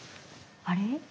あれ？